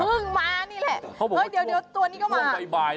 พึ่งมานี่แหละเดี๋ยวตัวนี้ก็มา